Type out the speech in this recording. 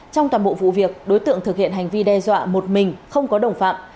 trong toàn bộ vụ việc đối tượng thực hiện hành vi đe dọa một mình không có đồng phạm